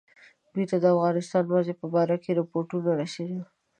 دوی ته د افغانستان وضع په باره کې رپوټونه رسېدل.